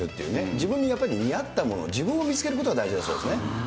自分にやっぱり見合ったもの、自分を見つけることが大事なんですね。